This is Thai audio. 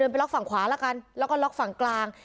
ไปล็อกฝั่งขวาละกันแล้วก็ล็อกฝั่งกลาง